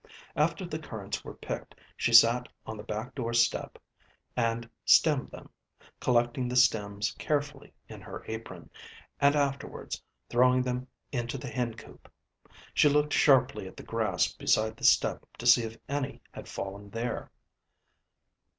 After the currants were picked she sat on the back door step and stemmed them, collecting the stems carefully in her apron, and afterwards throwing them into the hen coop. She looked sharply at the grass beside the step to see if any had fallen there.